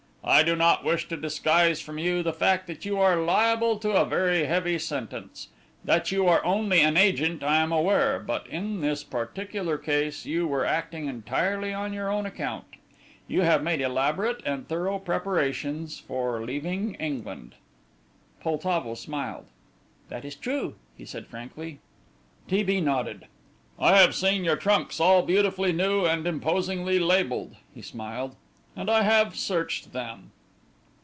I do not wish to disguise from you the fact that you are liable to a very heavy sentence. That you are only an agent I am aware, but in this particular case you were acting entirely on your own account. You have made elaborate and thorough preparations for leaving England." Poltavo smiled. "That is true," he said, frankly. T. B. nodded. "I have seen your trunks all beautifully new, and imposingly labelled," he smiled, "and I have searched them."